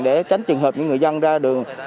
để tránh trường hợp những người dân ra đường